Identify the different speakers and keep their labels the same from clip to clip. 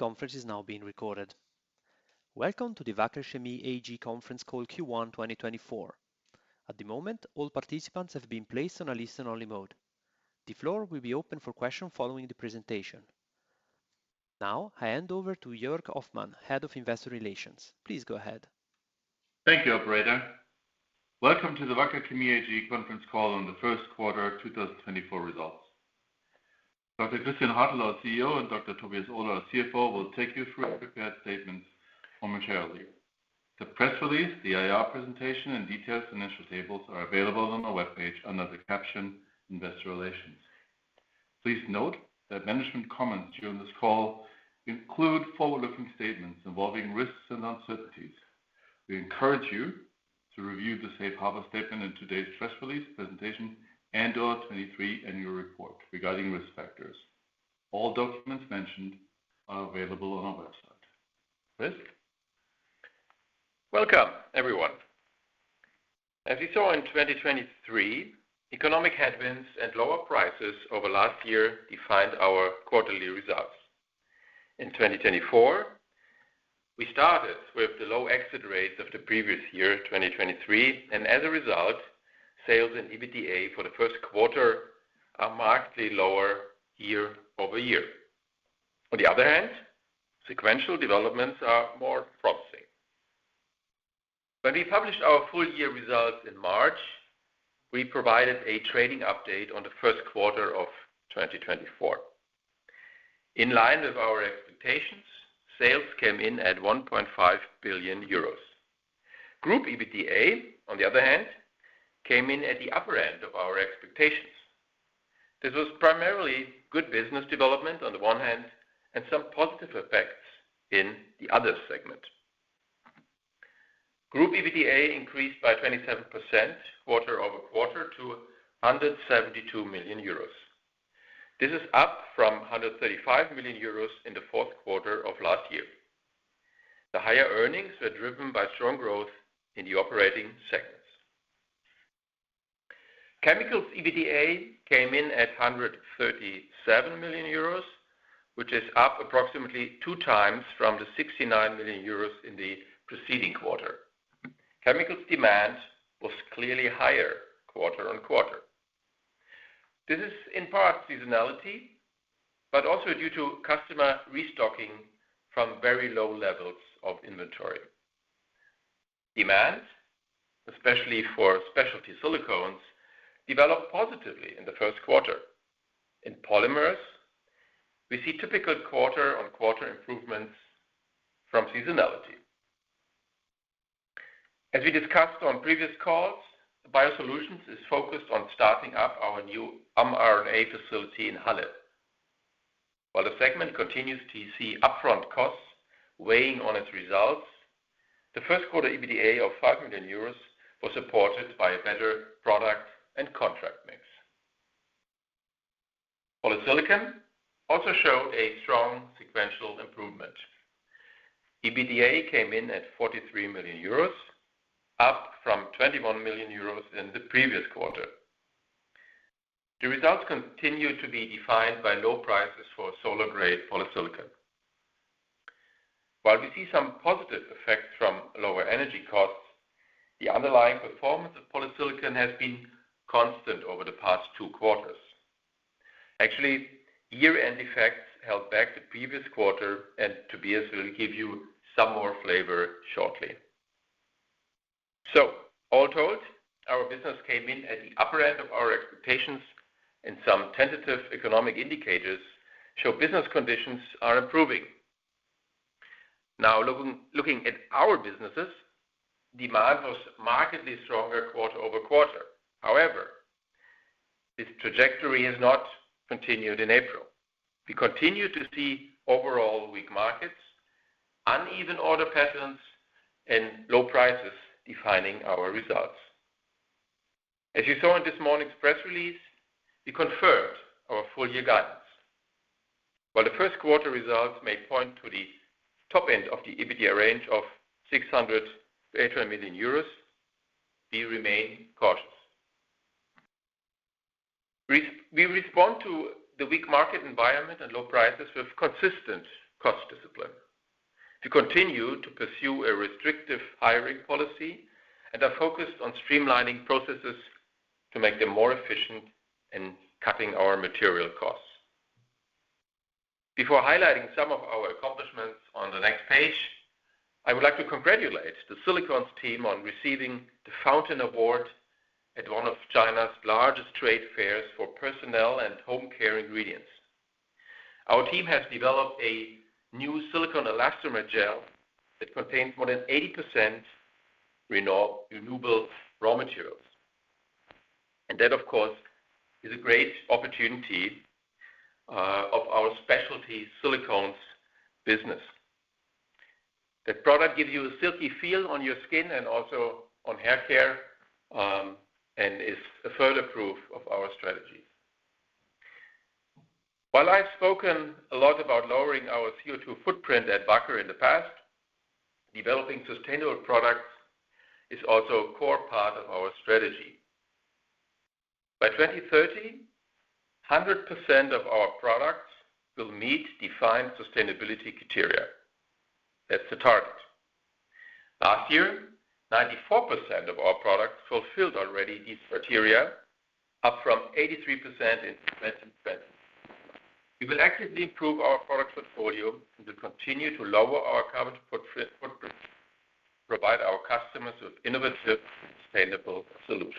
Speaker 1: The conference is now being recorded. Welcome to the Wacker Chemie AG conference call, Q1 2024. At the moment, all participants have been placed on a listen-only mode. The floor will be open for questions following the presentation. Now, I hand over to Joerg Hoffmann, Head of Investor Relations. Please go ahead.
Speaker 2: Thank you, operator. Welcome to the Wacker Chemie AG conference call on the first quarter of 2024 results. Dr. Christian Hartel, our CEO, and Dr. Tobias Ohler, our CFO, will take you through our prepared statements momentarily. The press release, the IR presentation, and detailed financial tables are available on our webpage under the caption, Investor Relations. Please note that management comments during this call include forward-looking statements involving risks and uncertainties. We encourage you to review the safe harbor statement in today's press release, presentation, and our 2023 annual report regarding risk factors. All documents mentioned are available on our website. Chris?
Speaker 3: Welcome, everyone. As you saw in 2023, economic headwinds and lower prices over last year defined our quarterly results. In 2024, we started with the low exit rates of the previous year, 2023, and as a result, sales and EBITDA for the first quarter are markedly lower year-over-year. On the other hand, sequential developments are more promising. When we published our full year results in March, we provided a trading update on the first quarter of 2024. In line with our expectations, sales came in at 1.5 billion euros. Group EBITDA, on the other hand, came in at the upper end of our expectations. This was primarily good business development on the one hand and some positive effects in the Other segment. Group EBITDA increased by 27%, quarter-over-quarter to 172 million euros. This is up from 135 million euros in the fourth quarter of last year. The higher earnings were driven by strong growth in the operating segments. Chemicals EBITDA came in at 137 million euros, which is up approximately 2 times from the 69 million euros in the preceding quarter. Chemicals demand was clearly higher quarter-on-quarter. This is in part seasonality, but also due to customer restocking from very low levels of inventory. Demand, especially for specialty silicones, developed positively in the first quarter. In polymers, we see typical quarter-on-quarter improvements from seasonality. As we discussed on previous calls, Biosolutions is focused on starting up our new mRNA facility in Halle. While the segment continues to see upfront costs weighing on its results, the first quarter EBITDA of 5 million euros was supported by a better product and contract mix. Polysilicon also showed a strong sequential improvement. EBITDA came in at 43 million euros, up from 21 million euros in the previous quarter. The results continue to be defined by low prices for solar-grade Polysilicon. While we see some positive effects from lower energy costs, the underlying performance of Polysilicon has been constant over the past two quarters. Actually, year-end effects held back the previous quarter, and Tobias will give you some more flavor shortly. So all told, our business came in at the upper end of our expectations, and some tentative economic indicators show business conditions are improving. Now, looking at our businesses, demand was markedly stronger quarter-over-quarter. However, this trajectory has not continued in April. We continue to see overall weak markets, uneven order patterns, and low prices defining our results. As you saw in this morning's press release, we confirmed our full-year guidance. While the first quarter results may point to the top end of the EBITDA range of 600 million-800 million euros, we remain cautious. We respond to the weak market environment and low prices with consistent cost discipline. We continue to pursue a restrictive hiring policy and are focused on streamlining processes to make them more efficient in cutting our material costs. Before highlighting some of our accomplishments on the next page, I would like to congratulate the Silicones team on receiving the Fountain Award at one of China's largest trade fairs for Personal and Home Care ingredients. Our team has developed a new silicone elastomer gel that contains more than 80% renewable raw materials, and that, of course, is a great opportunity of our specialty silicones business. That product gives you a silky feel on your skin and also on hair care, and is a further proof of our strategy. While I've spoken a lot about lowering our CO2 footprint at Wacker in the past, developing sustainable products is also a core part of our strategy. By 2030, 100% of our products will meet defined sustainability criteria. That's the target. Last year, 94% of our products fulfilled already these criteria, up from 83% in 2020. We will actively improve our product portfolio and to continue to lower our carbon footprint, provide our customers with innovative, sustainable solutions.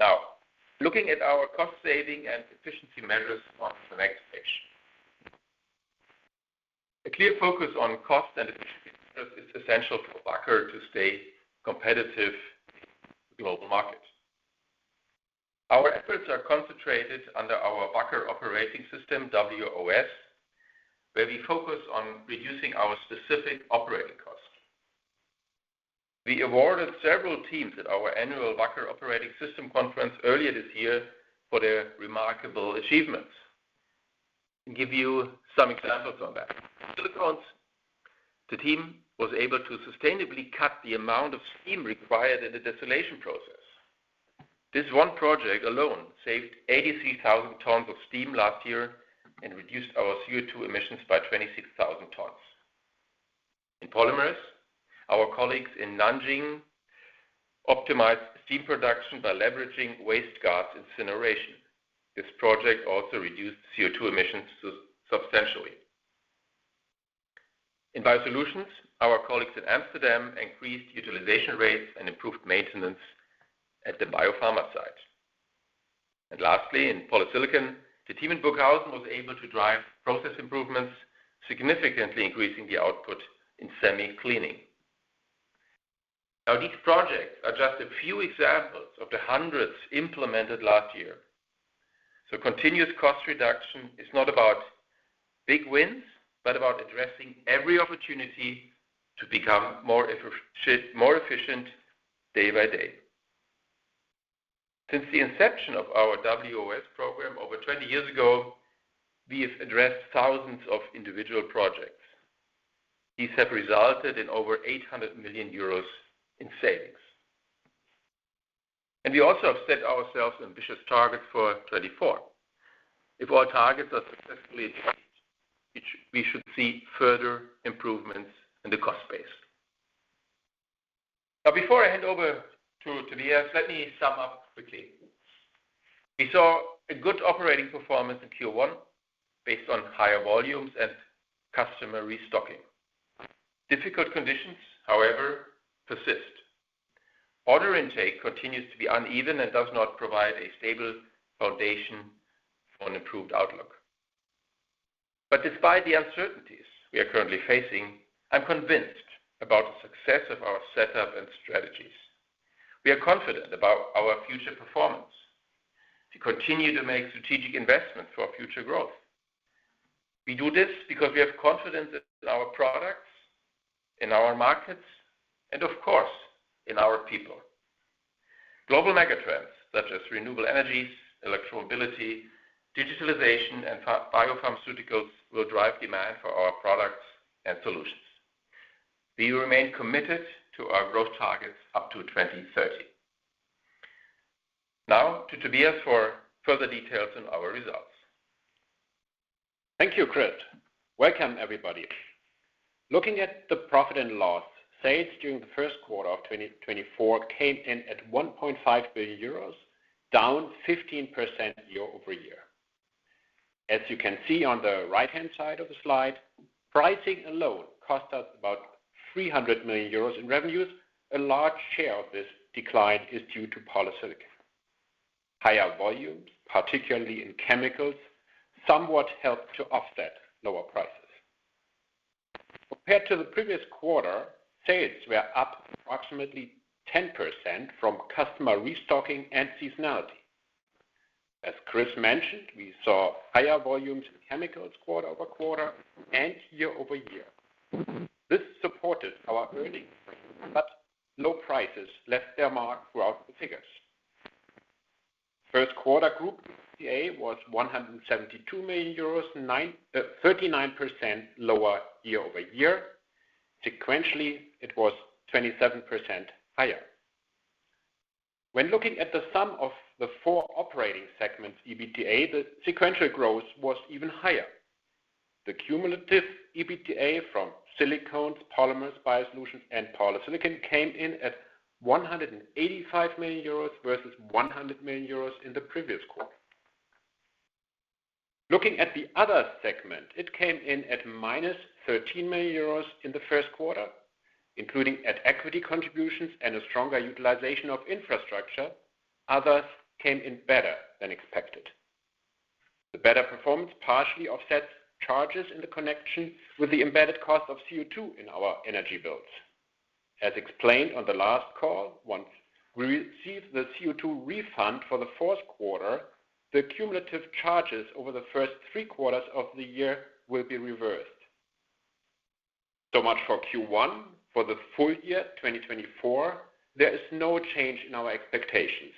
Speaker 3: Now, looking at our cost-saving and efficiency measures on the next page. A clear focus on cost and efficiency is essential for Wacker to stay competitive in the global market. Our efforts are concentrated under our Wacker Operating System, WOS, where we focus on reducing our specific operating costs. We awarded several teams at our annual Wacker Operating System conference earlier this year for their remarkable achievements. To give you some examples on that. Silicones, the team was able to sustainably cut the amount of steam required in the distillation process. This one project alone saved 83,000 tons of steam last year and reduced our CO2 emissions by 26,000 tons. In Polymers, our colleagues in Nanjing optimized steam production by leveraging waste gas incineration. This project also reduced CO2 emissions substantially. In Biosolutions, our colleagues in Amsterdam increased utilization rates and improved maintenance at the biopharma site. And lastly, in Polysilicon, the team in Burghausen was able to drive process improvements, significantly increasing the output in semi-cleaning. Now, these projects are just a few examples of the hundreds implemented last year. Continuous cost reduction is not about big wins, but about addressing every opportunity to become more efficient, more efficient day by day. Since the inception of our WOS program over 20 years ago, we have addressed thousands of individual projects. These have resulted in over 800 million euros in savings. We also have set ourselves ambitious targets for 2024. If our targets are successfully achieved, we should see further improvements in the cost base. Now, before I hand over to Tobias, let me sum up quickly. We saw a good operating performance in Q1 based on higher volumes and customer restocking. Difficult conditions, however, persist. Order intake continues to be uneven and does not provide a stable foundation for an improved outlook. But despite the uncertainties we are currently facing, I'm convinced about the success of our setup and strategies. We are confident about our future performance to continue to make strategic investments for our future growth. We do this because we have confidence in our products, in our markets, and of course, in our people. Global megatrends such as renewable energies, electro mobility, digitalization, and biopharmaceuticals, will drive demand for our products and solutions. We remain committed to our growth targets up to 2030. Now, to Tobias for further details on our results.
Speaker 4: Thank you, Chris. Welcome, everybody. Looking at the profit and loss, sales during the first quarter of 2024 came in at 1.5 billion euros, down 15% year-over-year. As you can see on the right-hand side of the slide, pricing alone cost us about 300 million euros in revenues. A large share of this decline is due to polysilicon. Higher volumes, particularly in Chemicals, somewhat helped to offset lower prices. Compared to the previous quarter, sales were up approximately 10% from customer restocking and seasonality. As Chris mentioned, we saw higher volumes in Chemicals quarter-over-quarter and year-over-year. This supported our earnings, but low prices left their mark throughout the figures. First quarter group EBITDA was 172 million euros, 39% lower year-over-year. Sequentially, it was 27% higher. When looking at the sum of the four operating segments, EBITDA, the sequential growth was even higher. The cumulative EBITDA from silicones, polymers, Biosolutions, and polysilicon came in at 185 million euros versus 100 million euros in the previous quarter. Looking at the Other segment, it came in at -13 million euros in the first quarter, including at-equity contributions and a stronger utilization of infrastructure, Other came in better than expected. The better performance partially offsets charges in connection with the embedded cost of CO2 in our energy bills. As explained on the last call, once we receive the CO2 refund for the fourth quarter, the cumulative charges over the first three quarters of the year will be reversed. So much for Q1. For the full year, 2024, there is no change in our expectations.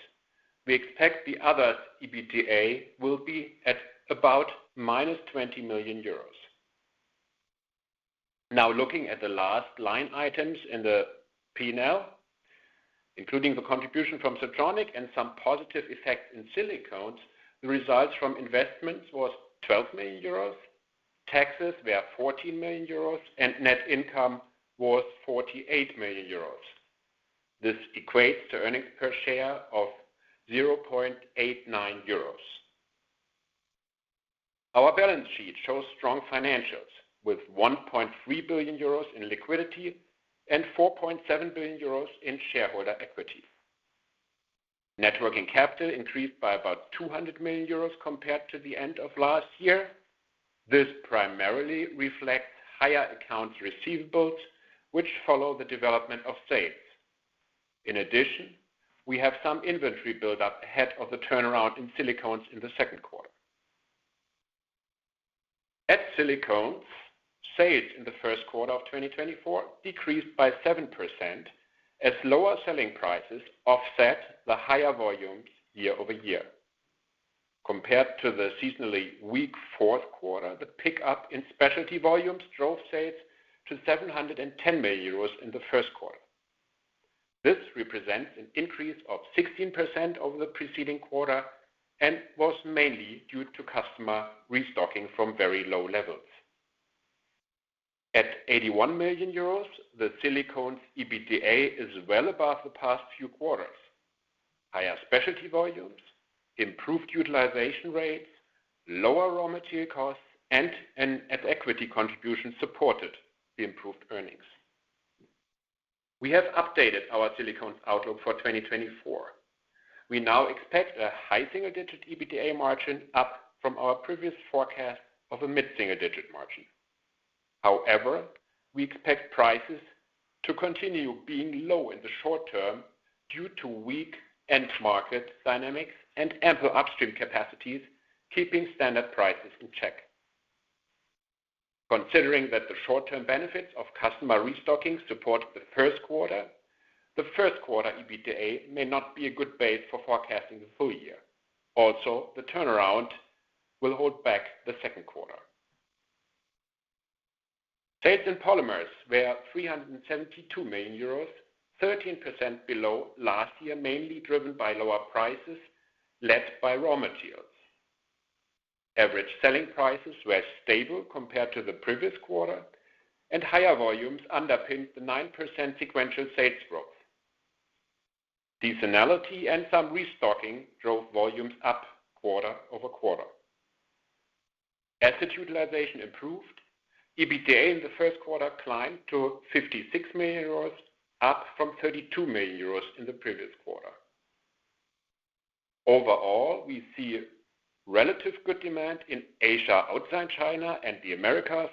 Speaker 4: We expect the Other EBITDA will be at about -20 million euros.... Now looking at the last line items in the P&L, including the contribution from Siltronic and some positive effects in Silicones, the results from investments was 12 million euros. Taxes were 14 million euros, and net income was 48 million euros. This equates to earnings per share of 0.89 euros. Our balance sheet shows strong financials, with 1.3 billion euros in liquidity and 4.7 billion euros in shareholder equity. Net working capital increased by about 200 million euros compared to the end of last year. This primarily reflects higher accounts receivable, which follow the development of sales. In addition, we have some inventory build-up ahead of the turnaround in Silicones in the second quarter. At Silicones, sales in the first quarter of 2024 decreased by 7% as lower selling prices offset the higher volumes year-over-year. Compared to the seasonally weak fourth quarter, the pickup in specialty volumes drove sales to 710 million euros in the first quarter. This represents an increase of 16% over the preceding quarter, and was mainly due to customer restocking from very low levels. At 81 million euros, the Silicones EBITDA is well above the past few quarters. Higher specialty volumes, improved utilization rates, lower raw material costs, and an at-equity contribution supported the improved earnings. We have updated our Silicones outlook for 2024. We now expect a high single-digit EBITDA margin up from our previous forecast of a mid-single-digit margin. However, we expect prices to continue being low in the short term due to weak end market dynamics and ample upstream capacities, keeping standard prices in check. Considering that the short-term benefits of customer restocking support the first quarter, the first quarter EBITDA may not be a good base for forecasting the full year. Also, the turnaround will hold back the second quarter. Sales in Polymers were 372 million euros, 13% below last year, mainly driven by lower prices, led by raw materials. Average selling prices were stable compared to the previous quarter, and higher volumes underpinned the 9% sequential sales growth. Seasonality and some restocking drove volumes up quarter-over-quarter. As the utilization improved, EBITDA in the first quarter climbed to 56 million euros, up from 32 million euros in the previous quarter. Overall, we see relatively good demand in Asia, outside China and the Americas,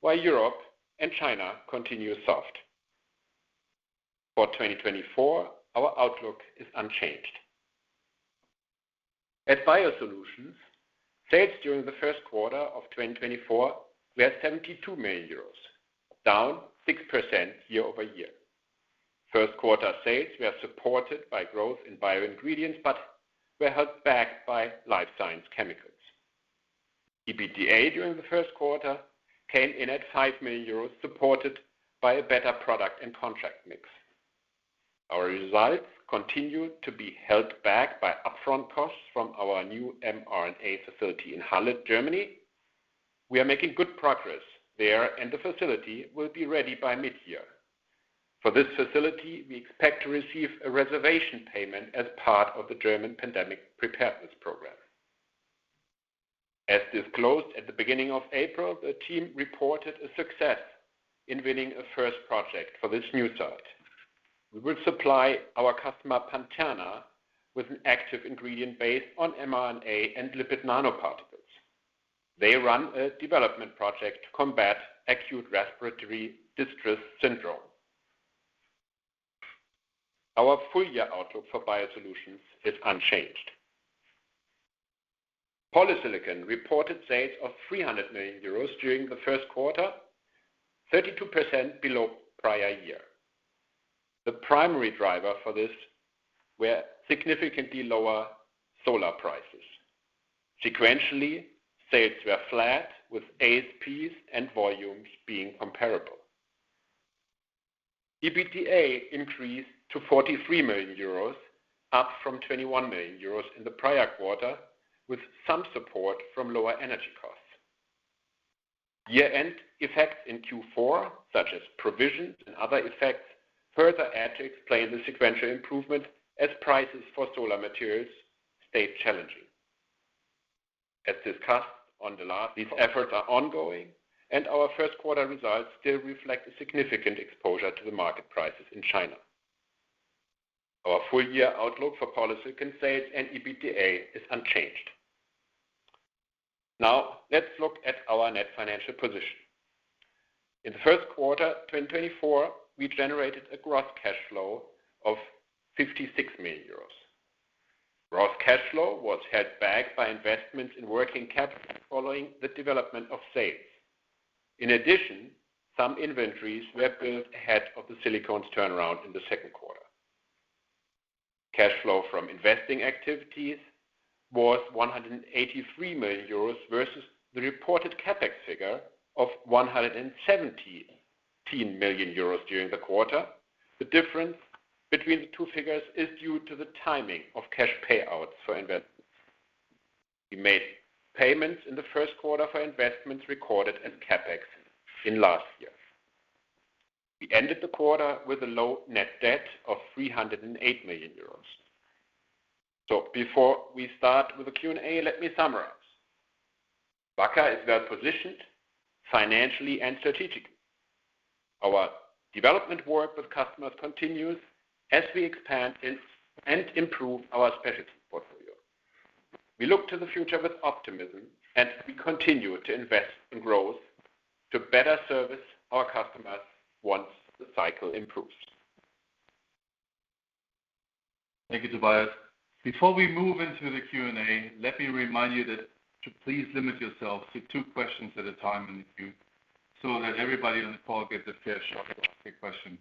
Speaker 4: while Europe and China continue soft. For 2024, our outlook is unchanged. At Biosolutions, sales during the first quarter of 2024 were 72 million euros, down 6% year-over-year. First quarter sales were supported by growth in Bioingredients, but were held back by Life Science Chemicals. EBITDA during the first quarter came in at 5 million euros, supported by a better product and contract mix. Our results continued to be held back by upfront costs from our new mRNA facility in Halle, Germany. We are making good progress there, and the facility will be ready by mid-year. For this facility, we expect to receive a reservation payment as part of the German Pandemic Preparedness Program. As disclosed at the beginning of April, the team reported a success in winning a first project for this new site. We will supply our customer, Pantherna, with an active ingredient based on mRNA and lipid nanoparticles. They run a development project to combat acute respiratory distress syndrome. Our full-year outlook for Biosolutions is unchanged. Polysilicon reported sales of 300 million euros during the first quarter, 32% below prior year. The primary driver for this were significantly lower solar prices. Sequentially, sales were flat, with ASPs and volumes being comparable. EBITDA increased to 43 million euros, up from 21 million euros in the prior quarter, with some support from lower energy costs. Year-end effects in Q4, such as provisions and other effects, further add to explain the sequential improvement as prices for solar materials stayed challenging. As discussed on the last. These efforts are ongoing, and our first quarter results still reflect a significant exposure to the market prices in China. Our full-year outlook for polysilicon sales and EBITDA is unchanged. Now, let's look at our net financial position. In the first quarter of 2024, we generated a gross cash flow of 56 million euros. Gross cash flow was held back by investments in working capital following the development of sales. In addition, some inventories were built ahead of the silicones turnaround in the second quarter. Cash flow from investing activities was 183 million euros versus the reported CapEx figure of 117 million euros during the quarter. The difference between the two figures is due to the timing of cash payouts for investments. We made payments in the first quarter for investments recorded in CapEx in last year. We ended the quarter with a low net debt of 308 million euros. So before we start with the Q&A, let me summarize. Wacker is well-positioned financially and strategically. Our development work with customers continues as we expand and, and improve our specialties portfolio. We look to the future with optimism, and we continue to invest in growth to better service our customers once the cycle improves.
Speaker 2: Thank you, Tobias. Before we move into the Q&A, let me remind you that to please limit yourselves to two questions at a time in the queue, so that everybody on the call gets a fair shot to ask a question.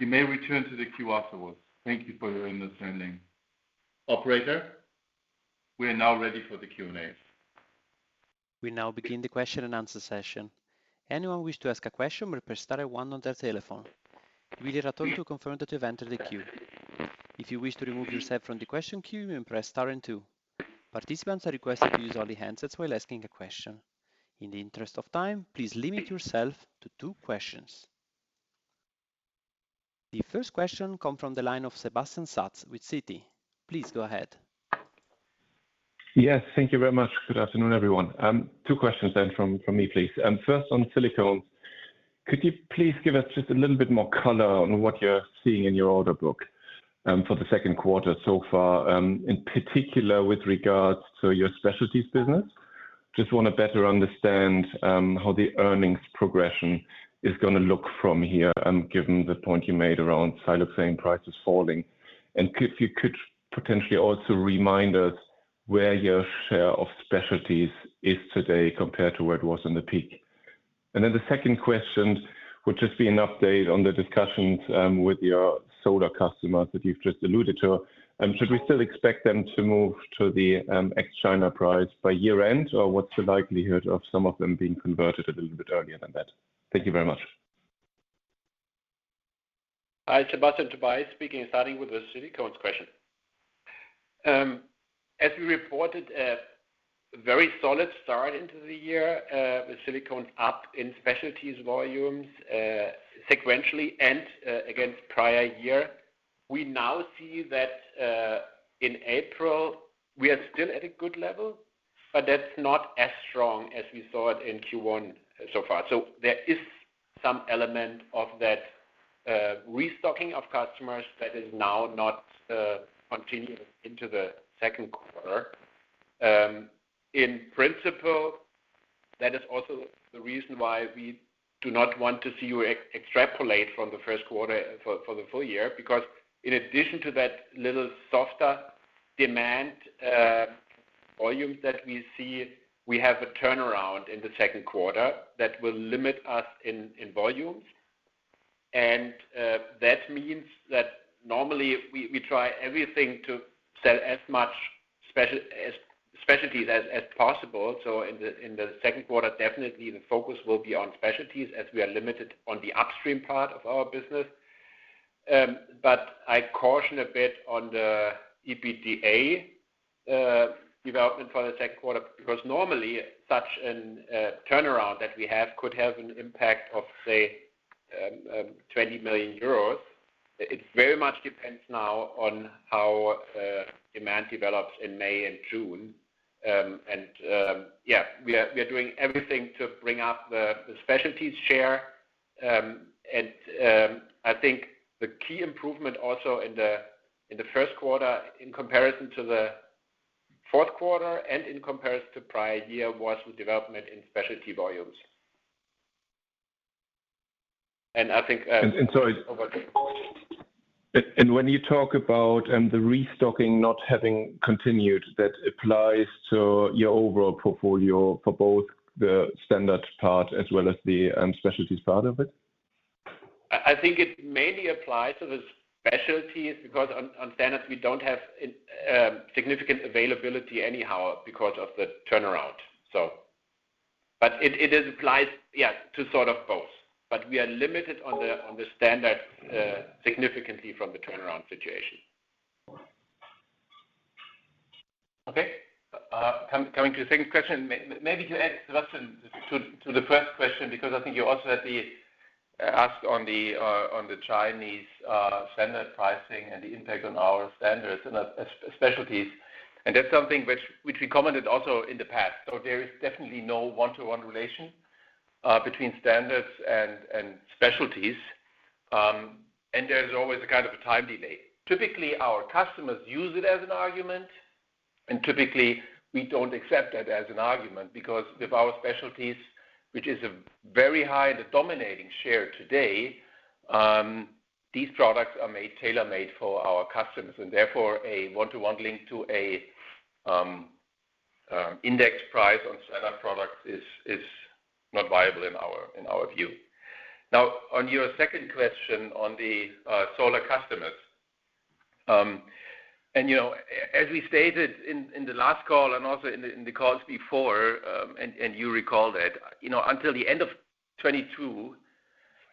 Speaker 2: You may return to the queue afterwards. Thank you for your understanding. Operator, we are now ready for the Q&A.
Speaker 1: We now begin the question and answer session. Anyone wish to ask a question may press star one on their telephone. We will let you to confirm that you've entered the queue. If you wish to remove yourself from the question queue, you may press star and two. Participants are requested to use only handsets while asking a question. In the interest of time, please limit yourself to two questions. The first question come from the line of Sebastian Satz with Citi. Please go ahead.
Speaker 5: Yes, thank you very much. Good afternoon, everyone. Two questions then from me, please. First, on silicone, could you please give us just a little bit more color on what you're seeing in your order book, for the second quarter so far, in particular, with regards to your specialties business? Just want to better understand, how the earnings progression is gonna look from here, given the point you made around siloxane prices falling. And if you could potentially also remind us where your share of specialties is today compared to where it was in the peak. And then the second question would just be an update on the discussions, with your solar customers that you've just alluded to. Should we still expect them to move to the ex-China price by year-end? Or what's the likelihood of some of them being converted a little bit earlier than that? Thank you very much.
Speaker 3: Hi, Sebastian, Tobias speaking, and starting with the silicones question. As we reported, a very solid start into the year, with silicone up in specialties volumes, sequentially and against prior year. We now see that in April, we are still at a good level, but that's not as strong as we saw it in Q1 so far. So there is some element of that restocking of customers that is now not continuing into the second quarter. In principle, that is also the reason why we do not want to see you extrapolate from the first quarter for the full year, because in addition to that little softer demand volume that we see, we have a turnaround in the second quarter that will limit us in volumes. That means that normally we try everything to sell as much specialties as possible. So in the second quarter, definitely the focus will be on specialties as we are limited on the upstream part of our business. But I caution a bit on the EBITDA development for the second quarter, because normally such a turnaround that we have could have an impact of, say, 20 million euros. It very much depends now on how demand develops in May and June. And yeah, we are doing everything to bring up the specialties share. And I think the key improvement also in the first quarter, in comparison to the fourth quarter and in comparison to prior year, was the development in specialty volumes. And I think,
Speaker 5: So-
Speaker 3: Over to you.
Speaker 5: And when you talk about the restocking not having continued, that applies to your overall portfolio for both the standard part as well as the specialties part of it?
Speaker 3: I think it mainly applies to the specialties, because on standards, we don't have significant availability anyhow because of the turnaround, so. But it does apply, yeah, to sort of both. But we are limited on the standard significantly from the turnaround situation. Okay, coming to the second question, maybe to add, Sebastian, to the first question, because I think you also had asked on the Chinese standard pricing and the impact on our standards and specialties. And that's something which we commented also in the past. So there is definitely no one-to-one relation between standards and specialties. And there's always a kind of a time delay. Typically, our customers use it as an argument, and typically, we don't accept that as an argument because with our specialties, which is a very high and a dominating share today, these products are made tailor-made for our customers, and therefore, a one-to-one link to an index price on certain products is, is not viable in our, in our view. Now, on your second question on the solar customers. You know, as we stated in the last call and also in the calls before, and you recall that, you know, until the end of 2022,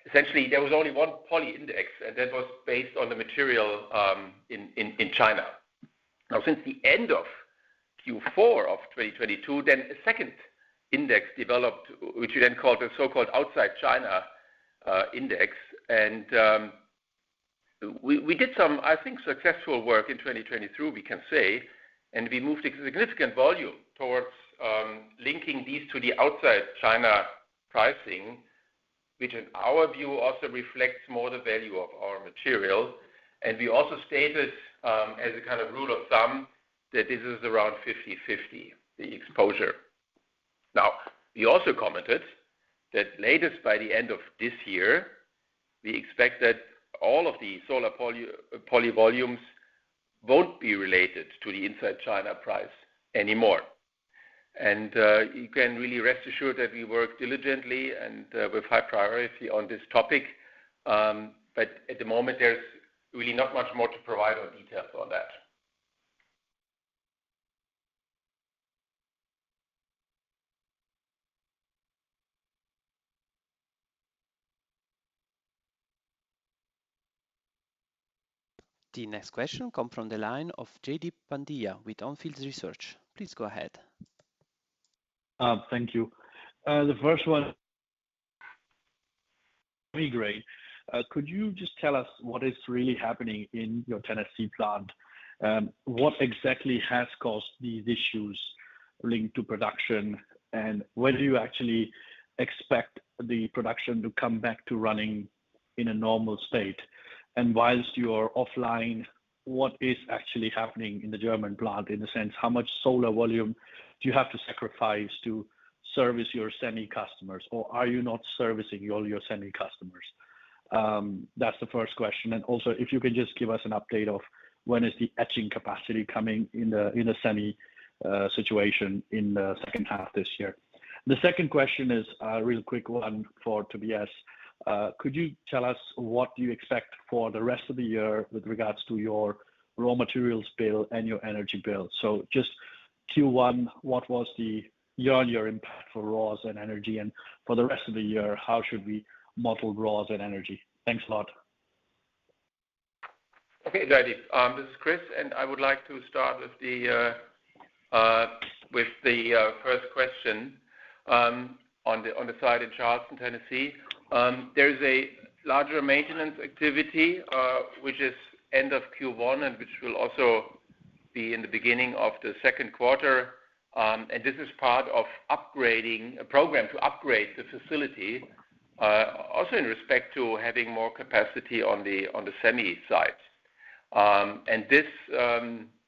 Speaker 3: essentially there was only one poly index, and that was based on the material in China. Now, since the end of Q4 of 2022, then a second index developed, which we then called the so-called Outside China Index. And, we did some, I think, successful work in 2023, we can say, and we moved a significant volume towards linking these to the Outside China pricing, which in our view, also reflects more the value of our material. And we also stated, as a kind of rule of thumb, that this is around 50/50, the exposure. Now, we also commented that latest by the end of this year, we expect that all of the solar poly volumes won't be related to the Inside China price anymore. You can really rest assured that we work diligently and with high priority on this topic. But at the moment, there's really not much more to provide on details on that.
Speaker 1: The next question comes from the line of Jaideep Pandya with On Field Research. Please go ahead.
Speaker 6: Thank you. The first one, grade. Could you just tell us what is really happening in your Tennessee plant? What exactly has caused these issues linked to production? And when do you actually expect the production to come back to running in a normal state? And whilst you are offline, what is actually happening in the German plant? In a sense, how much solar volume do you have to sacrifice to service your semi customers, or are you not servicing all your semi customers? That's the first question. And also, if you can just give us an update of when is the etching capacity coming in the semi situation in the second half this year. The second question is a real quick one for Tobias. Could you tell us what you expect for the rest of the year with regards to your raw materials bill and your energy bill? Just Q1, what was the year-on-year impact for raws and energy? For the rest of the year, how should we model raws and energy? Thanks a lot.
Speaker 3: Okay, Jaideep, this is Chris, and I would like to start with the first question. On the site in Charleston, Tennessee, there is a larger maintenance activity, which is end of Q1 and which will also be in the beginning of the second quarter. And this is part of upgrading a program to upgrade the facility, also in respect to having more capacity on the semi side. And this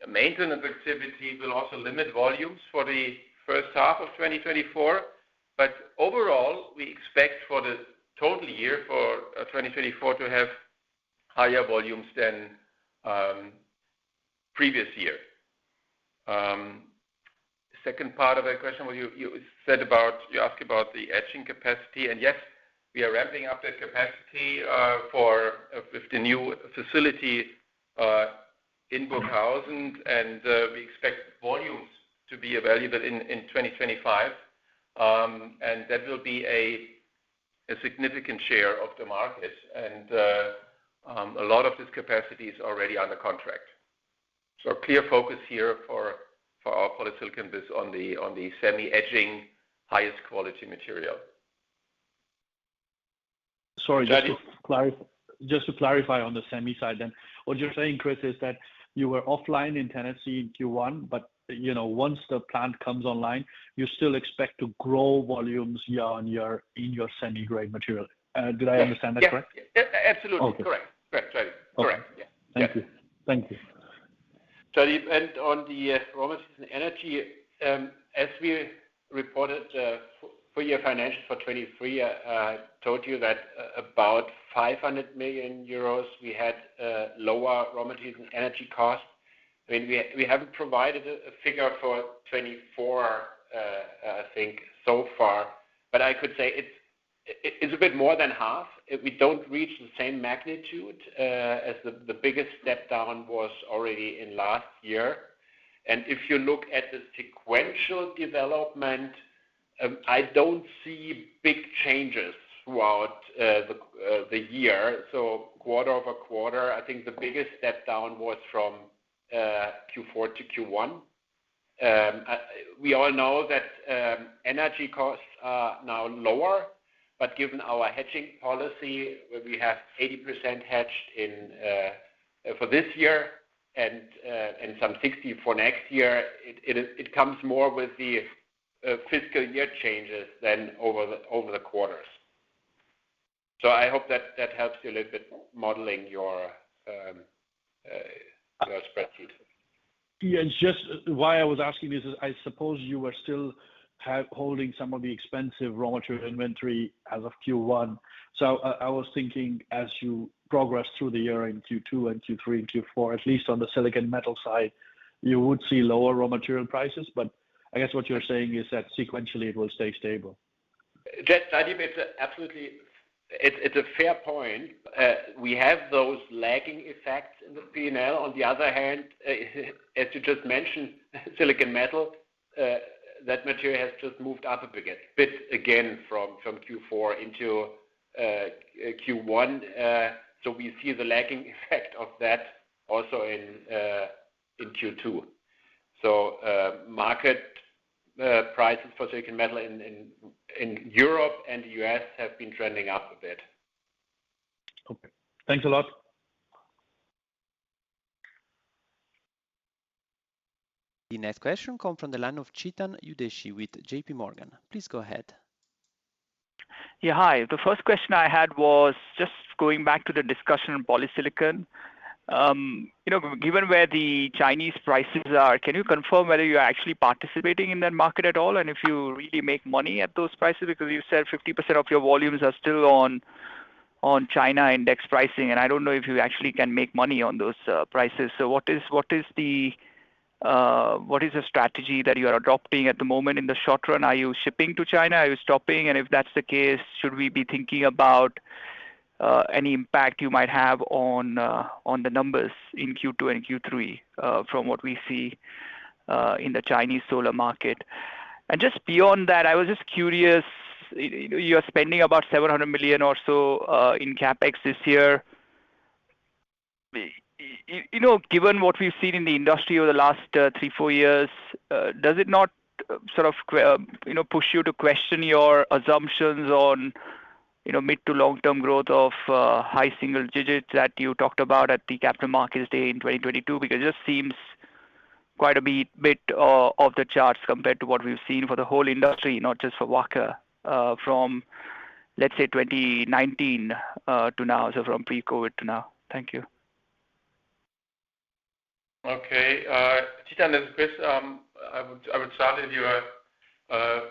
Speaker 3: maintenance activity will also limit volumes for the first half of 2024, but overall, we expect for the total year for 2024 to have higher volumes than previous year. Second part of that question, where you asked about the etching capacity, and yes, we are ramping up that capacity with the new facility in Burghausen, and we expect volumes to be available in 2025. And that will be a significant share of the market, and a lot of this capacity is already under contract. So our clear focus here for our polysilicon is on the semi-etching, highest quality material.
Speaker 6: Sorry, just to clar-
Speaker 3: Jaideep?
Speaker 6: Just to clarify on the semi side then. What you're saying, Chris, is that you were offline in Tennessee in Q1, but, you know, once the plant comes online, you still expect to grow volumes year-on-year in your semi-grade material. Did I understand that correct?
Speaker 3: Yes. A-absolutely.
Speaker 6: Okay.
Speaker 3: Correct. Correct, Jaideep.
Speaker 6: Okay.
Speaker 3: Correct. Yeah.
Speaker 6: Thank you. Thank you.
Speaker 3: Jaideep, and on the raw materials and energy, as we reported, full year financials for 2023, I told you that about 500 million euros, we had lower raw material and energy costs. I mean, we haven't provided a figure for 2024, I think so far, but I could say it's a bit more than half. We don't reach the same magnitude, as the biggest step down was already in last year. And if you look at the sequential development, I don't see big changes throughout the year. So quarter-over-quarter, I think the biggest step down was from Q4 to Q1. We all know that energy costs are now lower, but given our hedging policy, where we have 80% hedged in for this year and some 60 for next year, it comes more with the fiscal year changes than over the quarters. So I hope that that helps you a little bit modeling your spreadsheet. Yeah, and just why I was asking this is, I suppose you are still holding some of the expensive raw material inventory as of Q1. So I, I was thinking, as you progress through the year in Q2 and Q3 and Q4, at least on the silicon metal side, you would see lower raw material prices. But I guess what you're saying is that sequentially, it will stay stable?... just Jaideep, it's absolutely, it's a fair point. We have those lagging effects in the P&L. On the other hand, as you just mentioned, silicon metal, that material has just moved up a bit, a bit again from Q4 into Q1. So we see the lagging effect of that also in Q2. So, market prices for silicon metal in Europe and the U.S. have been trending up a bit.
Speaker 6: Okay. Thanks a lot.
Speaker 1: The next question comes from the line of Chetan Udeshi with J.P. Morgan. Please go ahead.
Speaker 7: Yeah, hi. The first question I had was just going back to the discussion on polysilicon. You know, given where the Chinese prices are, can you confirm whether you are actually participating in that market at all? And if you really make money at those prices, because you said 50% of your volumes are still on China index pricing, and I don't know if you actually can make money on those prices. So what is the strategy that you are adopting at the moment in the short run? Are you shipping to China? Are you stopping? And if that's the case, should we be thinking about any impact you might have on the numbers in Q2 and Q3 from what we see in the Chinese solar market? And just beyond that, I was just curious, you are spending about 700 million or so in CapEx this year. You know, given what we've seen in the industry over the last 3-4 years, does it not sort of, you know, push you to question your assumptions on, you know, mid- to long-term growth of high single digits that you talked about at the Capital Markets Day in 2022? Because it just seems quite a bit off the charts compared to what we've seen for the whole industry, not just for Wacker, from, let's say, 2019 to now, so from pre-COVID to now. Thank you. Okay. Chetan, this, I would start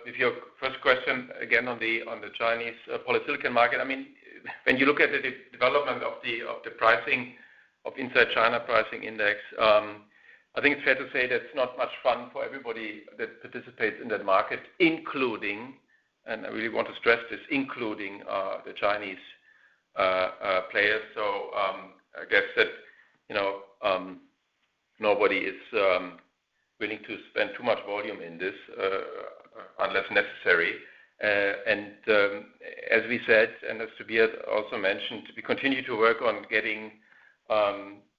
Speaker 7: with your first question again on the Chinese polysilicon market. I mean, when you look at the development of the pricing, of Inside China Index, I think it's fair to say that it's not much fun for everybody that participates in that market, including, and I really want to stress this, including the Chinese players. So, I guess that, you know, nobody is willing to spend too much volume in this unless necessary. And, as we said, and as Tobias also mentioned, we continue to work on getting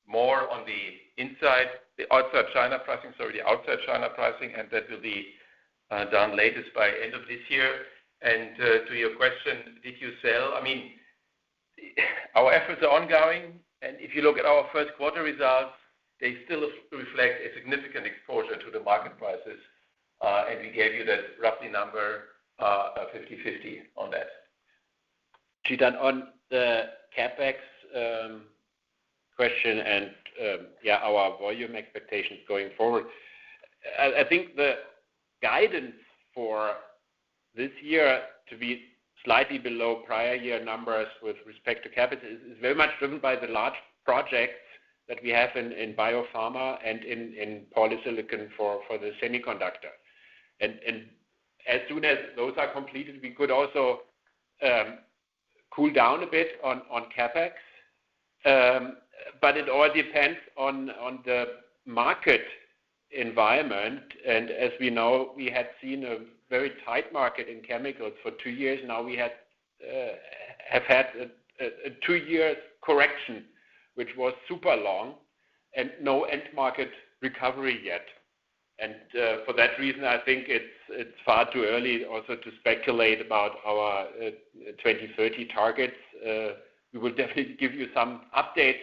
Speaker 7: more on the inside, the Outside China Index, sorry, the Outside China Index, and that will be done latest by end of this year. To your question, did you sell? I mean, our efforts are ongoing, and if you look at our first quarter results, they still reflect a significant exposure to the market prices, and we gave you that roughly number of 50/50 on that. Chetan, on the CapEx question and, yeah, our volume expectations going forward. I think the guidance for this year to be slightly below prior year numbers with respect to CapEx is very much driven by the large projects that we have in biopharma and in polysilicon for the semiconductor. And as soon as those are completed, we could also cool down a bit on CapEx. But it all depends on the market environment. And as we know, we had seen a very tight market in Chemicals for two years now. We have had a 2-year correction, which was super long and no end market recovery yet. For that reason, I think it's far too early also to speculate about our 2030 targets. We will definitely give you some updates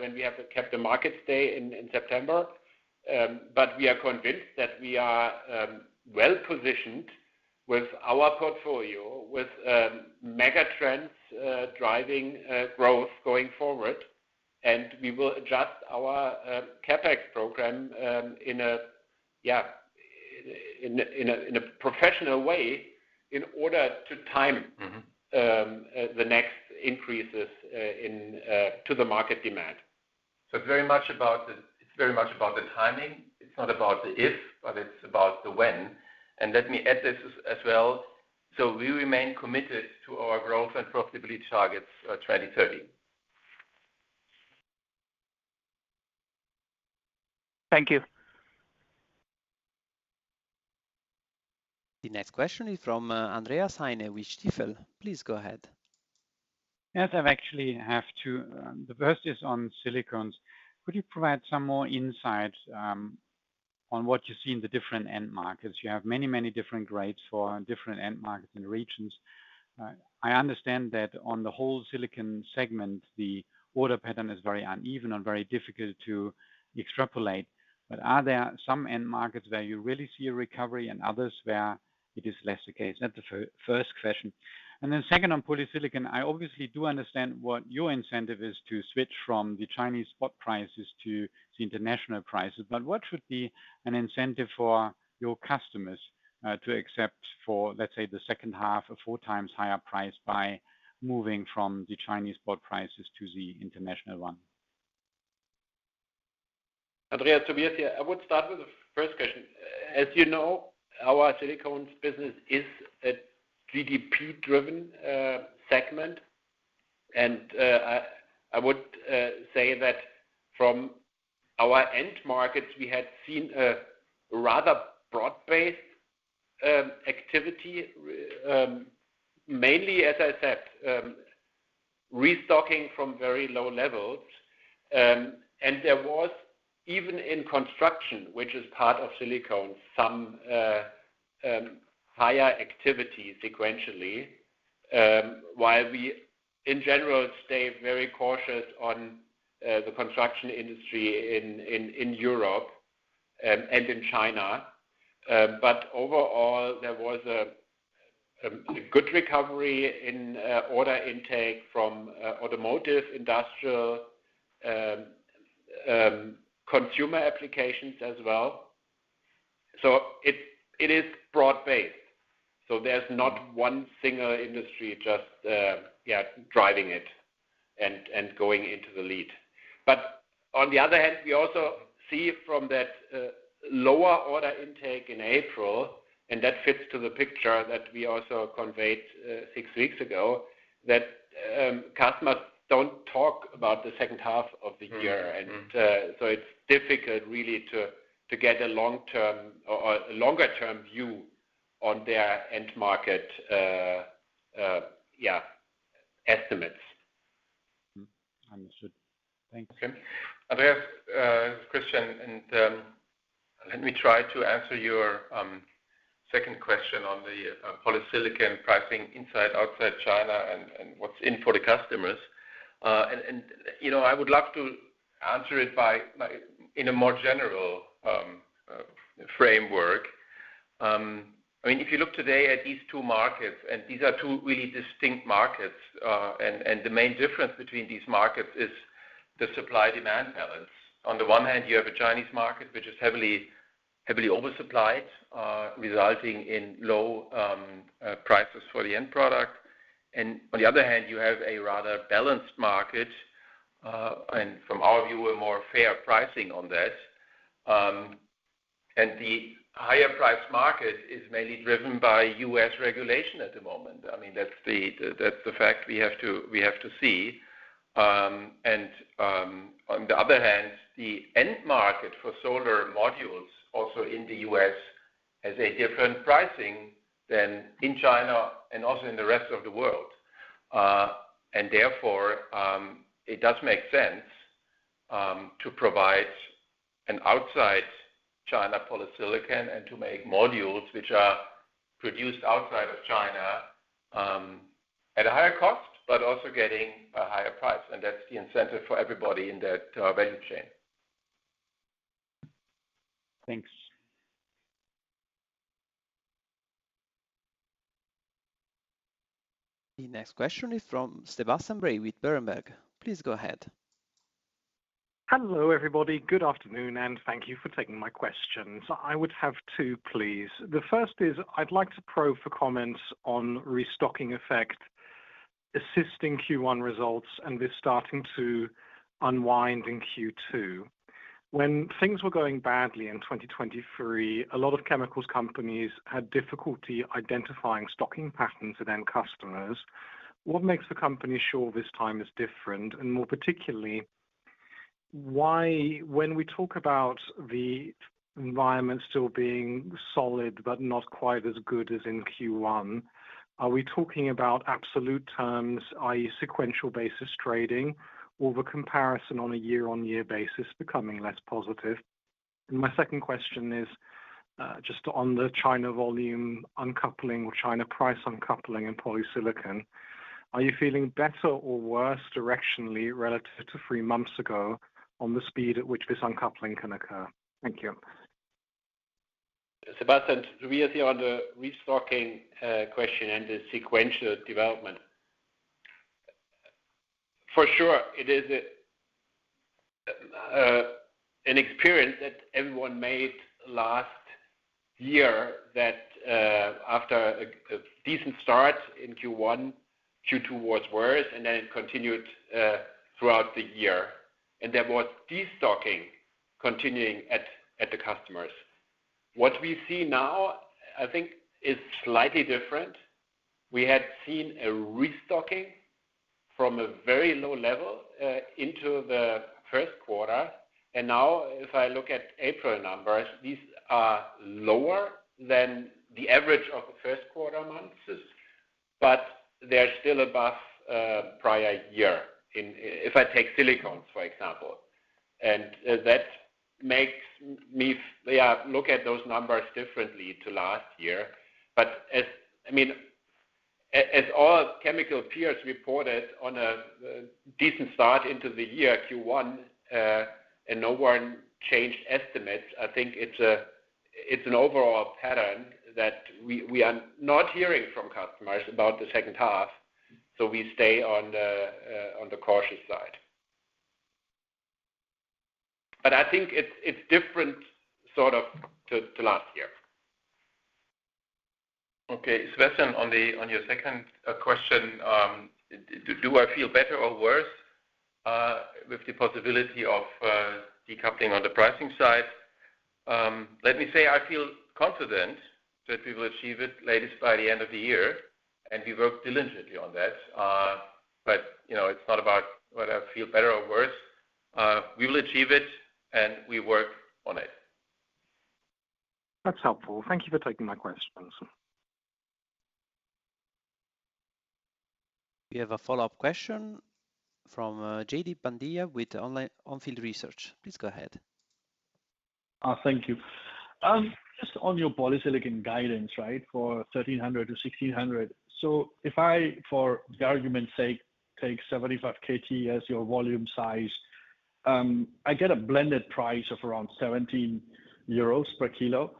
Speaker 7: when we have the Capital Markets Day in September. But we are convinced that we are well-positioned with our portfolio, with mega trends driving growth going forward, and we will adjust our CapEx program in a professional way in order to time- Mm-hmm...
Speaker 3: the next increases into the market demand. So it's very much about the timing. It's not about the if, but it's about the when. And let me add this as well. So we remain committed to our growth and profitability targets, 2030.
Speaker 7: Thank you.
Speaker 1: The next question is from Andreas Heine with Stifel. Please go ahead.
Speaker 8: Yes, I actually have two. The first is on silicones. Could you provide some more insight on what you see in the different end markets? You have many, many different grades for different end markets and regions. I understand that on the whole silicones segment, the order pattern is very uneven and very difficult to extrapolate. But are there some end markets where you really see a recovery and others where it is less the case? That's the first question. And then second, on polysilicon, I obviously do understand what your incentive is to switch from the Chinese spot prices to the international prices. But what should be an incentive for your customers to accept for, let's say, the second half of four times higher price by moving from the Chinese spot prices to the international one?...
Speaker 4: Andreas, Tobias here. I would start with the first question. As you know, our silicones business is a GDP-driven segment. And I would say that from our end markets, we had seen a rather broad-based activity, mainly, as I said, restocking from very low levels. And there was, even in construction, which is part of silicone, some higher activity sequentially. While we, in general, stay very cautious on the construction industry in Europe and in China. But overall, there was a good recovery in order intake from automotive, industrial, consumer applications as well. So it is broad-based. So there's not one single industry, just, yeah, driving it and going into the lead. But on the other hand, we also see from that lower order intake in April, and that fits to the picture that we also conveyed six weeks ago, that customers don't talk about the second half of the year.
Speaker 8: Mm-hmm. Mm-hmm.
Speaker 3: So it's difficult really to get a long-term or longer-term view on their end market, yeah, estimates.
Speaker 8: Mm-hmm. Understood. Thank you.
Speaker 3: Okay. Andreas, Christian, and let me try to answer your second question on the polysilicon pricing inside, outside China and what's in for the customers. And you know, I would love to answer it in a more general framework. I mean, if you look today at these two markets, and these are two really distinct markets, and the main difference between these markets is the supply-demand balance. On the one hand, you have a Chinese market, which is heavily, heavily oversupplied, resulting in low prices for the end product. And on the other hand, you have a rather balanced market, and from our view, a more fair pricing on that. And the higher price market is mainly driven by U.S. regulation at the moment. I mean, that's the fact we have to see. On the other hand, the end market for solar modules, also in the U.S., has a different pricing than in China and also in the rest of the world. Therefore, it does make sense to provide an outside China polysilicon and to make modules which are produced outside of China at a higher cost, but also getting a higher price, and that's the incentive for everybody in that value chain.
Speaker 8: Thanks.
Speaker 1: The next question is from Sebastian Bray with Berenberg. Please go ahead.
Speaker 9: Hello, everybody. Good afternoon, and thank you for taking my questions. I would have two, please. The first is, I'd like to probe for comments on restocking effect, assisting Q1 results, and this starting to unwind in Q2. When things were going badly in 2023, a lot of Chemicals companies had difficulty identifying stocking patterns for their customers. What makes the company sure this time is different? And more particularly, why when we talk about the environment still being solid but not quite as good as in Q1, are we talking about absolute terms, i.e., sequential basis trading, or the comparison on a year-on-year basis becoming less positive? And my second question is, just on the China volume uncoupling or China price uncoupling in polysilicon, are you feeling better or worse directionally relative to three months ago on the speed at which this uncoupling can occur? Thank you.
Speaker 3: Sebastian, Tobias here on the restocking, question and the sequential development. For sure, it is a, an experience that everyone made last year, that, after a decent start in Q1, Q2 was worse, and then it continued, throughout the year. And there was destocking continuing at, the customers. What we see now, I think, is slightly different. We had seen a restocking from a very low level, into the first quarter, and now if I look at April numbers, these are lower than the average of the first quarter months, but they're still above, prior year in... If I take Silicones, for example, and, that makes me, yeah, look at those numbers differently to last year. But as... I mean, as all chemical peers reported on a decent start into the year, Q1, and no one changed estimates, I think it's an overall pattern that we are not hearing from customers about the second half, so we stay on the cautious side. But I think it's different, sort of, to last year. Okay, Svend, on your second question, do I feel better or worse with the possibility of decoupling on the pricing side? Let me say I feel confident that we will achieve it latest by the end of the year, and we work diligently on that. But, you know, it's not about whether I feel better or worse. We will achieve it, and we work on it.
Speaker 9: That's helpful. Thank you for taking my questions.
Speaker 1: We have a follow-up question from Jaideep Pandya with On Field Research. Please go ahead.
Speaker 6: Thank you. Just on your polysilicon guidance, right, for 1,300-1,600. So if I, for the argument's sake, take 75 KT as your volume size, I get a blended price of around 17 euros per kilo.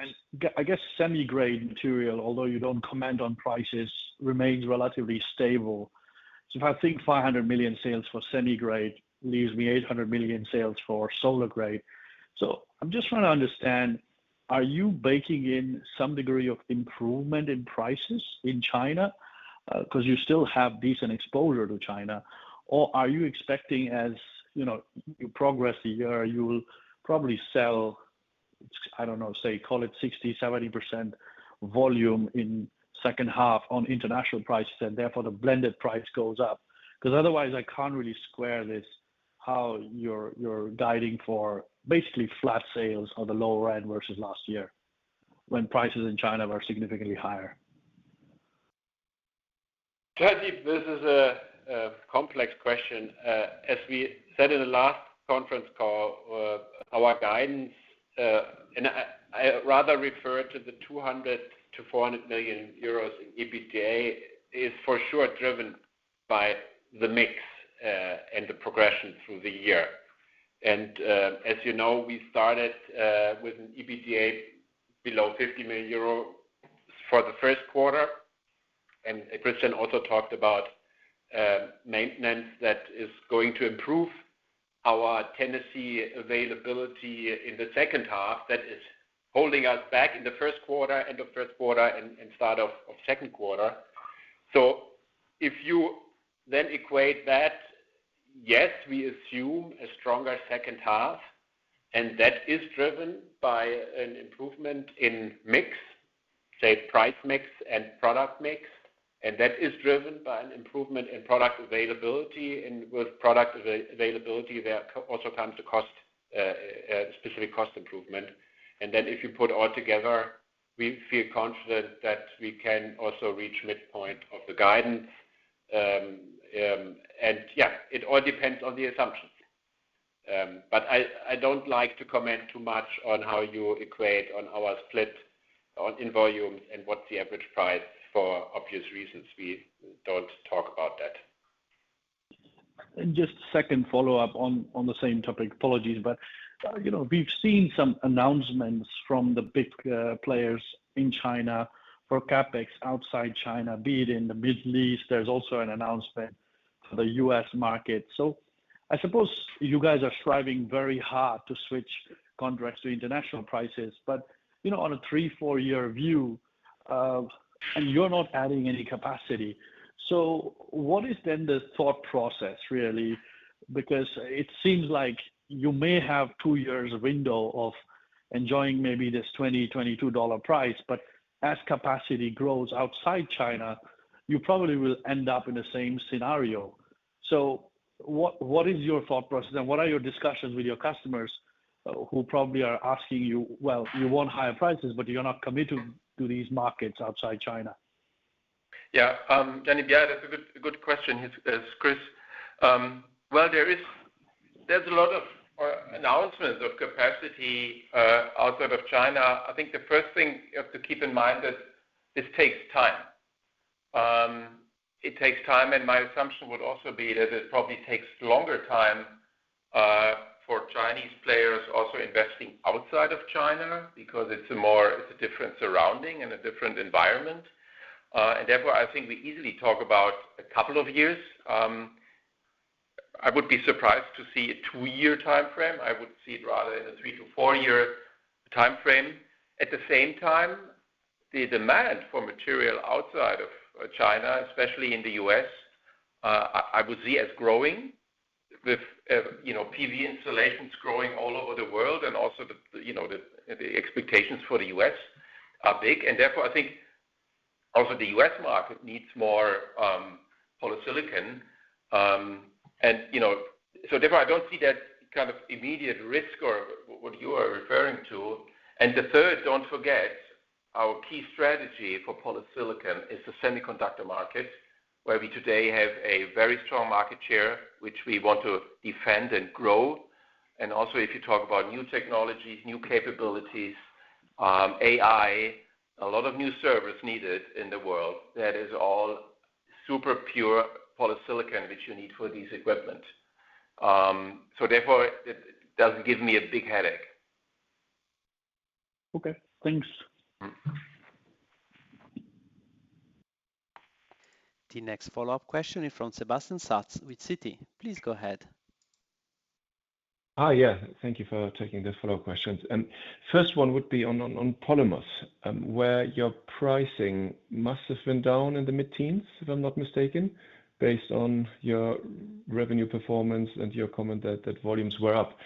Speaker 6: And I guess semi-grade material, although you don't comment on prices, remains relatively stable. So if I think 500 million sales for semi-grade, leaves me 800 million sales for solar grade. So I'm just trying to understand, are you baking in some degree of improvement in prices in China? 'Cause you still have decent exposure to China. Or are you expecting, as, you know, you progress the year, you will probably sell, I don't know, say, call it 60%-70% volume in second half on international prices, and therefore, the blended price goes up? 'Cause otherwise, I can't really square this, how you're guiding for basically flat sales or the low end versus last year, when prices in China are significantly higher?
Speaker 3: Jaideep, this is a complex question. As we said in the last conference call, our guidance, and I rather refer to the 200 million-400 million euros in EBITDA, is for sure driven by the mix and the progression through the year. As you know, we started with an EBITDA below 50 million euro for the first quarter. Christian also talked about maintenance that is going to improve our Tennessee availability in the second half. That is holding us back in the first quarter, end of first quarter and start of second quarter. If you then equate that, yes, we assume a stronger second half, and that is driven by an improvement in mix, say, price mix and product mix, and that is driven by an improvement in product availability. And with product availability, there also comes the cost specific cost improvement. And then, if you put all together, we feel confident that we can also reach midpoint of the guidance. And yeah, it all depends on the assumptions. But I don't like to comment too much on how you equate on our split on in volume and what the average price, for obvious reasons, we don't talk about that.
Speaker 6: Just a second follow-up on the same topic. Apologies. But, you know, we've seen some announcements from the big players in China for CapEx outside China, be it in the Middle East. There's also an announcement for the U.S. market. So I suppose you guys are striving very hard to switch contracts to international prices, but, you know, on a 3-4-year view, and you're not adding any capacity. So what is then the thought process, really? Because it seems like you may have 2-year window of enjoying maybe this $20-$22 price, but as capacity grows outside China, you probably will end up in the same scenario. So what is your thought process, and what are your discussions with your customers, who probably are asking you, "Well, you want higher prices, but you're not committing to these markets outside China?
Speaker 3: Yeah, Jaideep, yeah, that's a good question, as Chris. Well, there's a lot of announcements of capacity outside of China. I think the first thing you have to keep in mind that this takes time. It takes time, and my assumption would also be that it probably takes longer time for Chinese players also investing outside of China, because it's a different surrounding and a different environment. And therefore, I think we easily talk about a couple of years. I would be surprised to see a 2-year timeframe. I would see it rather in a 3-4-year timeframe. At the same time, the demand for material outside of China, especially in the U.S., I would see as growing. With you know PV installations growing all over the world and also you know the expectations for the U.S. are big, and therefore, I think also the U.S. market needs more polysilicon. And you know so therefore, I don't see that kind of immediate risk or what you are referring to. And the third, don't forget, our key strategy for polysilicon is the semiconductor market, where we today have a very strong market share, which we want to defend and grow. And also, if you talk about new technologies, new capabilities AI, a lot of new servers needed in the world, that is all super pure polysilicon, which you need for these equipment. So therefore, it doesn't give me a big headache.
Speaker 6: Okay, thanks.
Speaker 3: Mm-hmm....
Speaker 1: The next follow-up question is from Sebastian Satz with Citi. Please go ahead.
Speaker 5: Ah, yeah, thank you for taking the follow-up questions. First one would be on polymers, where your pricing must have been down in the mid-teens, if I'm not mistaken, based on your revenue performance and your comment that volumes were up.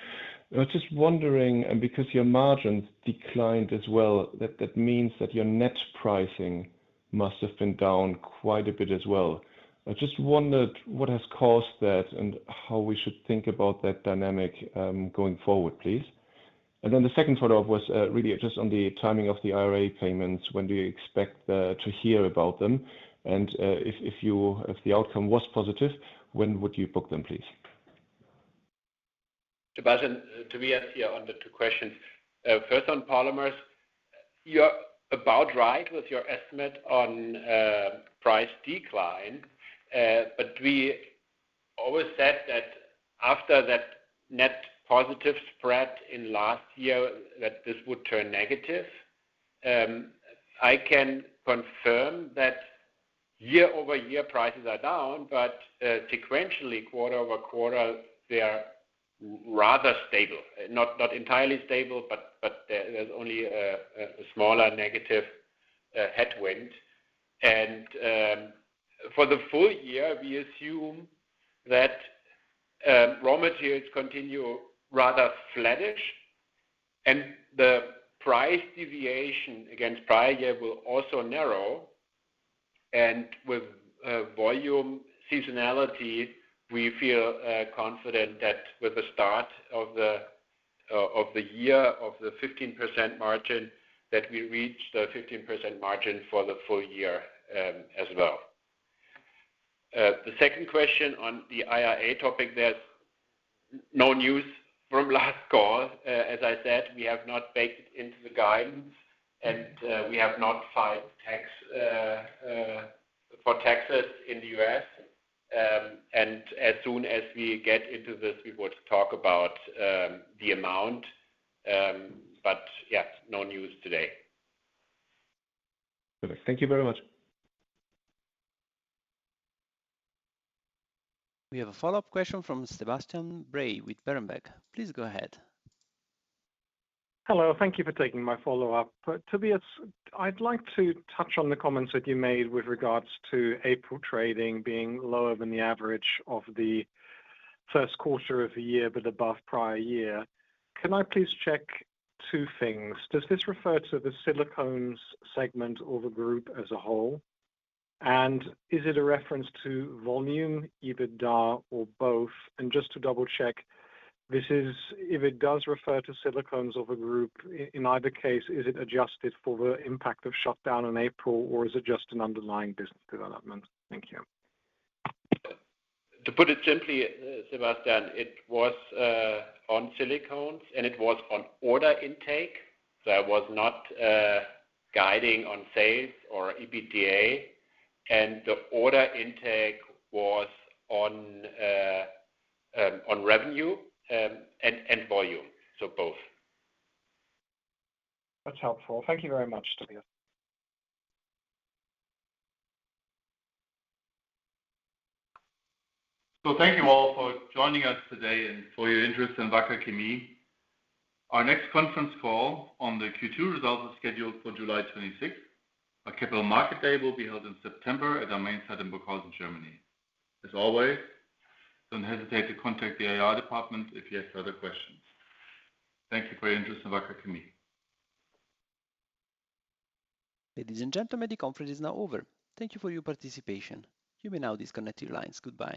Speaker 5: I was just wondering, and because your margins declined as well, that means that your net pricing must have been down quite a bit as well. I just wondered what has caused that and how we should think about that dynamic going forward, please. And then the second follow-up was really just on the timing of the IRA payments. When do you expect to hear about them? And if the outcome was positive, when would you book them, please?
Speaker 3: Sebastian, Tobias here on the two questions. First, on polymers, you're about right with your estimate on price decline. But we always said that after that net positive spread in last year, that this would turn negative. I can confirm that year-over-year prices are down, but sequentially, quarter-over-quarter, they are rather stable. Not entirely stable, but there's only a smaller negative headwind. For the full year, we assume that raw materials continue rather flattish, and the price deviation against prior year will also narrow. With volume seasonality, we feel confident that with the start of the year, of the 15% margin, that we reach the 15% margin for the full year, as well. The second question on the IRA topic, there's no news from last call. As I said, we have not baked into the guidance, and we have not filed tax for taxes in the U.S. And as soon as we get into this, we would talk about the amount. But, yeah, no news today.
Speaker 5: Perfect. Thank you very much.
Speaker 1: We have a follow-up question from Sebastian Bray with Berenberg. Please go ahead.
Speaker 9: Hello. Thank you for taking my follow-up. But, Tobias, I'd like to touch on the comments that you made with regards to April trading being lower than the average of the first quarter of the year, but above prior year. Can I please check two things? Does this refer to the Silicones segment or the group as a whole? And is it a reference to volume, EBITDA, or both? And just to double-check, this is if it does refer to Silicones or the group, in either case, is it adjusted for the impact of shutdown in April, or is it just an underlying business development? Thank you.
Speaker 4: To put it simply, Sebastian, it was on Silicones, and it was on order intake. So I was not guiding on sales or EBITDA, and the order intake was on revenue and volume, so both.
Speaker 9: That's helpful. Thank you very much, Tobias.
Speaker 2: Thank you all for joining us today and for your interest in Wacker Chemie. Our next conference call on the Q2 results is scheduled for July 26th. Our Capital Markets Day will be held in September at our main site in Burghausen, Germany. As always, don't hesitate to contact the IR department if you have further questions. Thank you for your interest in Wacker Chemie.
Speaker 1: Ladies and gentlemen, the conference is now over. Thank you for your participation. You may now disconnect your lines. Goodbye.